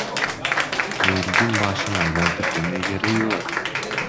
Элдин башын айлантып эмне кереги бар?